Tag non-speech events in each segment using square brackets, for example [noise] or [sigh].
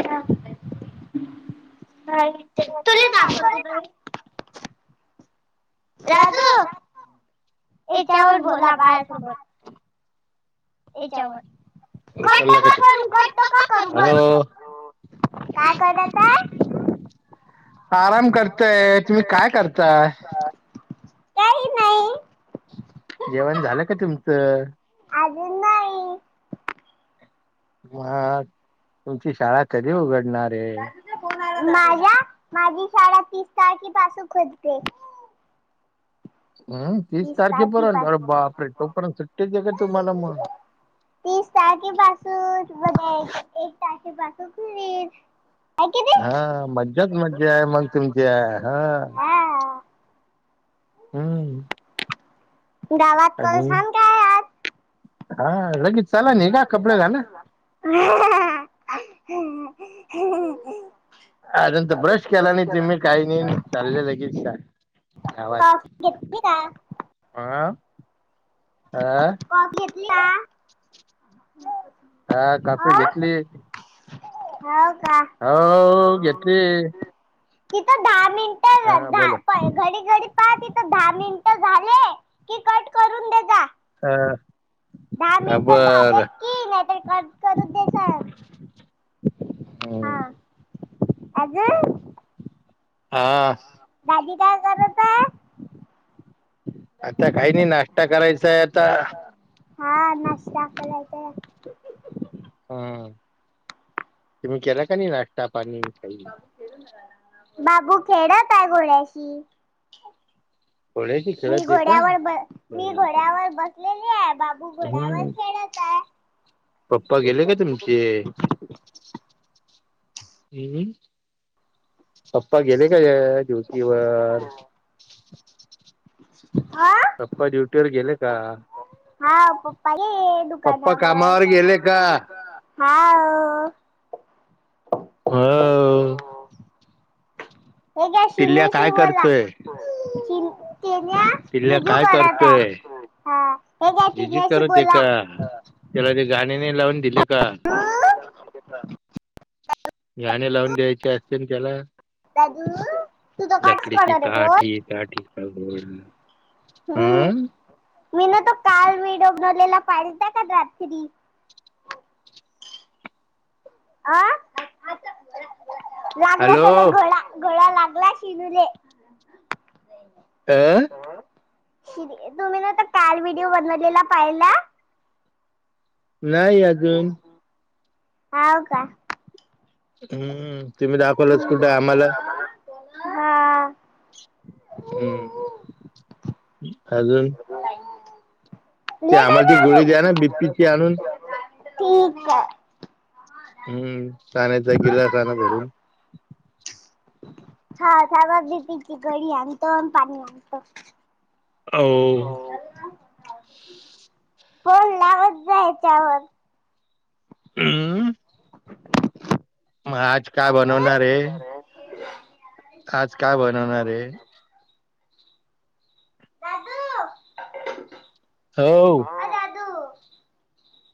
तुला दाखवते राजू राध याच्यावर बोला बाय सोबत याच्यावर कट नका करू, कट नका करू हॅलो काय करत ये? आराम करतय तुम्ही काय करताय? काही नाही जेवण झालं का तुमचं? अजून नाही म हा माझ्या माझी शाळा तीस काळकी पासू खोदते हम्म तीस तारख तारखेपर्यंत अरे बापरे पाून तोपर्यंत सुट्टीच आहे का तुम्हाला मग? तीस तारखे पासून बघ एक तारखे पासून फिनिश हा मज्जााच मज्जा आहे मग तुमची आह हा हा हम्म - गावात [unintelligible] काय आहे आज? हा लगेच चला नाही हा का कपडे घाला हा हा हा ह हा अ नंतर ब्रश केला नाही तुम्ही काही नाही चालले लगेच का काफी पिली का? आ आा कॉफी का हा कॉफी घेतली. हा - हो घेतली तिथ दहा हा मिनिट बोला घडी घडी पाह तिथ दहा मिनिट झाले. की कट करून दे जा हा. दहा हा, मिनटं बर झाले की, नाही तर कट करू दे सर. हा हम्म. अजून हा. दादी काय करत आहे आता काही नाही, नाश्ता करायचाय आता. हा नाष्टा करायचायं. हम्म तुम्ही केला कि नाही नाश्ता? पाणी [unintelligible] बाबू खेडत आहे घोंड्याशी. थोड्याशी मी खेळत आहे का घोड्यावर ब मी बरं, बरं. घोड्यावर बसलेली आहे बाबू घोड्यावर हम्म. खेण काय पप्पा गेले का तुमचे. हम. पप्पा गेले का ग ड्युटीवर, हा पप्पा ड्युटीवरर गेले का? हे दुकानावर कामावर गेलं का. हा. हो. हे का टिल्ल्या शिनूशी काय बोलान करतोय टिल्ल्या जुजू काय करत करतोय आहे ह हे का जिजीत तिन्याशी बोला नाही नाही लावून दिल. का. हम्म? गाणे लावून द्यायचे असतेल त्याला. दादू तू तो कटच लकडी की करणार आहे फोन काठी, काठी पे घोडा. हम्म मीन तर काल व्हिडीओ बनवलेला. आलता काय रात्री. आ. लागला हॅलो त्याला गळा गळा लाग गला शिजूले. आ. [inaudible] ना कार व्हिडिओ बनवलेला पाहिला. नाही अजून. हवं का. हम्म हम्म तुम्ही दाखवलच कुठये आम्हाला हा हम्म नाही ते आम्हाला ती गोळी द्या ना बीपीची आणून ठीक आहे हम्म साण्याचा किला झाला भरून हा चालल की घडी आणतो पाणी आणतो. हो. फोन लावत जा याच्यावर हम्म [unintelligible] काय आज बनवणार आहे आज काय बनवणार आहे. दादू हॅलो अ दादू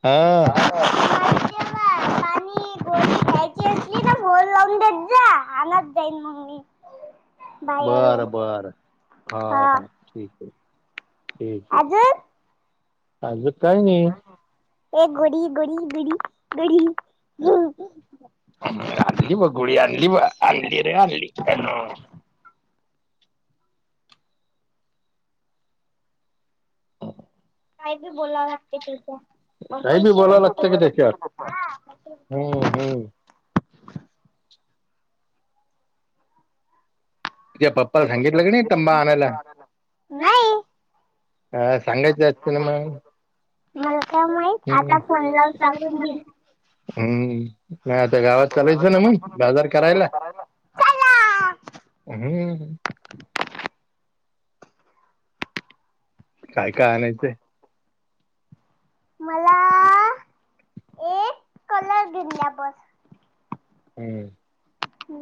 हा पाणी फोन लावून देत जा आणत जाईन मग मी बाहेरून बरं बरं हा हा ठीक क आहे. आहे आज काय नाही ऐ गडी गोडीडीडी आणली बघ गोळी आणली बा आणली रे आणली काय काही बी बोलावं लागत लागते त्याच्यात काही बी काहीबी बोलावं का लागतं त्याच्यावर त्याच्यात हम्म हा हम्म तुझ्या पप्पाला सांगितलं का नाही तंबा आणायला नाही. अ सांगायचं असत ना मग मला काय माहित आता फोन लावून सांगून देईल हम्म आता गावात चालायच ना मग बाजार करायला चला हम्म काय काय आणायचंय मला एक कलर दिली बस हम्म हो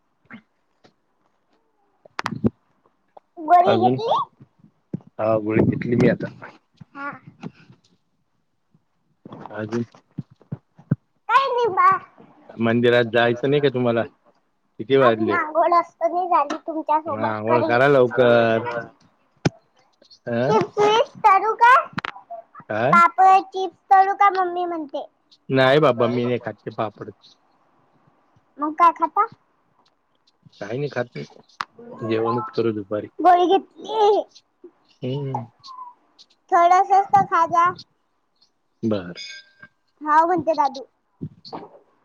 [inaudible] [inaudible] गोरी अजून घेतली हा गोळी घेतली मी आता हा अजून काही नाही बा मंदिरात जायचं नाही का तुम्हाला किती वाजले तर नाही झाली तुमच्या मग सोबत आंघोळ करा करेल हा तप क तळु का मम्मी म्हणते नाहीय बाबा मी नाही खातचे पापडते [inaudible] नकाय खात काही नाही खातात गोळी घेतली हम्म थोडस असत खाजा बर हा म्हणते दादू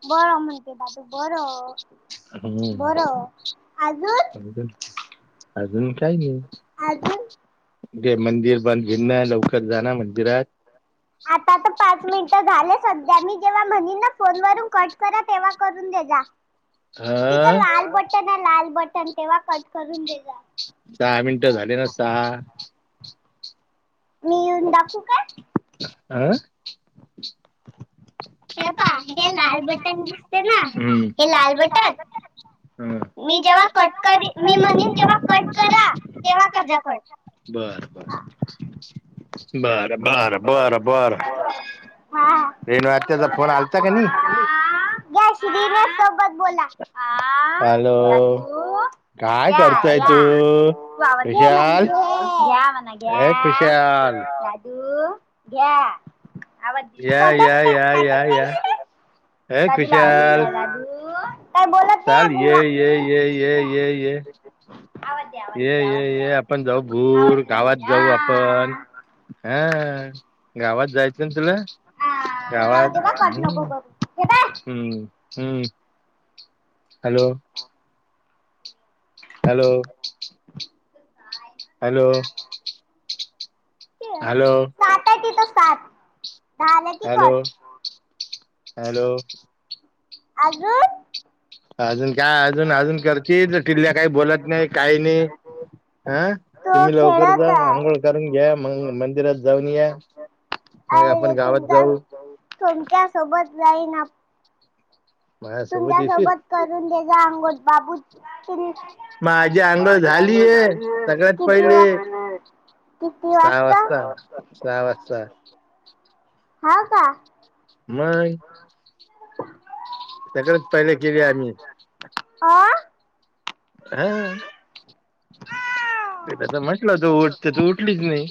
बर म्हणते दादू बरं. हम बरं अजून अ. अजून. का नाही अजून गे. मंदिर बंद भेडण लवकर जाणार मंदिरात. आता तर पाच मिनिटं झाले. सध्या मी जेव्हा म्हनिन ना फोन वरून कट करा तेव्हा करून दे जा. तिथं लाल हा. बटन लाल बटन तेव्हा. करून दे जा सहा मिनटं झाले ना सहा. मी येवून दाखू का? आं. [inaudible] हे पा हे लाल बटन घते ना हे लाल बटन मी जेव्हा कट कर मी म जव्हा कट करा तेव्हा कर कट बर ब. बर-बरं-बरं- बरं हा दे नार. त्याचा फोन आलता का नाही. [unintelligible] ' [inaudible] तू हॅलो काय करताय तू खुशाल ए खुशाल घ्या. या या या या या [unintelligible] ए खुशाल [inaudible] चाल गुंगा य-य-य-य-य. आवाज दे आवाज य दे य आवाज य आपण जाऊ भूर गावात जाऊ आपण हा. [inaudible] गावात जायचं ना तुला दे. जाऊ गावात दे बा कट नको हम् करू हे बाय हम्म. हम्. हलो. Hello hello hello. झालं की कर. हॅलो. अजून, अजून, का अजून अजून करती. टिल्ल्या काया बोलत नाही काही नाही. हं तो तुम्ही लवकर जा, खेळत आहे आंघोळ करून घ्या. मग मंदिरात जाऊन या. मग आपण अरे गावात जाऊ. जाइनाथ माझ्यासोबत येशील तुमच्यासोबत करून तेचा अंंगोठ बागू माझी अंघोळ झालीय. सगळ्यात किती पहिले वाज- सहा. वाजता सहा वाजता. हा का? मग. सगळच पहिले केली आम्ही अ हा तिला तर म्हटलं होतं उठ ती तर उठलीच नाही.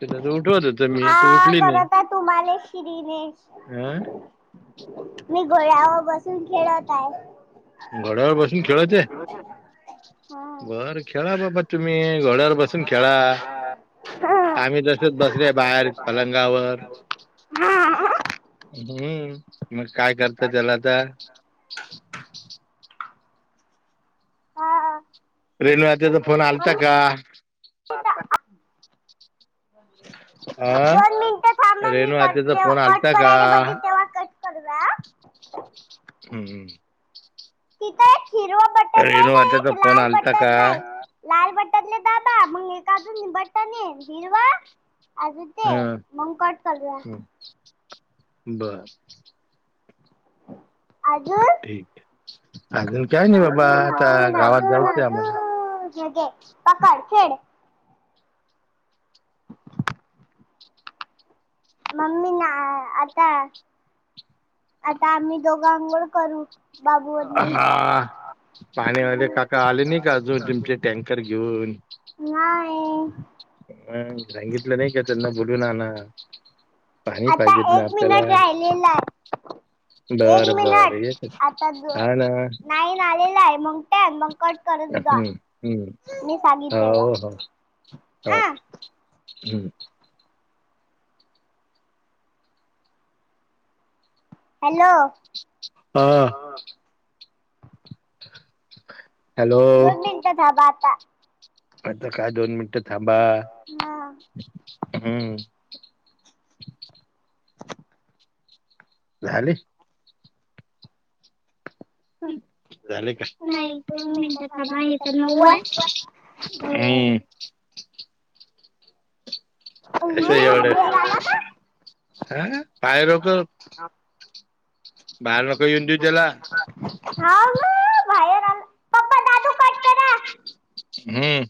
तुला तर उठवत होत मी तू हा उठली नाही करता तुम्हाला श्रीनेश ह मी गोळ्यावर बसून खेळत हाय. घोड्यावर बसून खेळताय? हा. बर खेळा बाबा तुम्ही घोड्यावर बसून खेळा. आम्ही तसच बसले बाहेर पलंगावर हा. हम्म. मग काय करता त्याला आता? आ हा. रेणु आजीचा फोन आलता का? [inaudible] दोन आ मिनिटं थांबा. मी रेणू करतो आत्याचा जेव्हा फोन कट आलता करा का? रे बघी तेव्हा कट कडव हम् हम. तिथच रेणू अंकलचा फोन अलता का? बटन राहील लाल बटनले दादा, मग एकादून बट्टन ये हिरवा आजून ते हं. मंग कट चालूया हं. बर. हम ठीक. अजून काय नाही बाबा अजून आता गावात जायचंय आम्हाला. म्हे पकड. खेड. मम्मी नाही आता-आता आम्ही दोघं आंघोळ करू. बाबू आणि हा पाणीवाले मी काका आले नाही का अजून तुमचे? टँकर घेऊन? नाही अ सांगितलं नाही का त्यांना? बुडू ना ना. आता एक मिनिट आपल्याला. राहिलेला. एक बरं मिनट. बरं येते हा ना नाहीझालेला आहे कुटाय मग? कट करत जा, हम्म हम्म मी सांगित हो तेव्हा, हो हो आ. हम्म. हॅलो. आ. [unintelligible] दोन मिनिटं थांबा आता. आता काय दोन मिनिट थांबा. हा हम्म. झाले. झाले का, नाही दोन मिनट थांबा हे तर नऊ हाय, हम्म. अस हा एवढ, बाहेर आला का हा पाय रको हा. ना बाहेर आला पप्पा दादू कट करा हम्म.